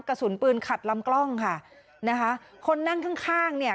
กระสุนปืนขัดลำกล้องค่ะนะคะคนนั่งข้างข้างเนี่ย